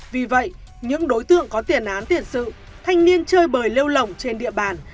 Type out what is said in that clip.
vì vậy những đối tượng có tiền án tiền sự thanh niên chơi bời lêu lỏng trên địa bàn